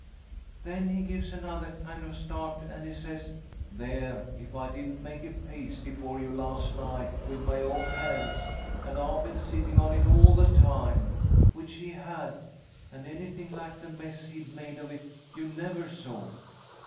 Then he gives another kind of start, and he says, 'There! If I didn't make a pasty for you, last night, with my own hands, and I've been sitting on it all the time,' which he had, and anything like the mess he'd made of it you never saw.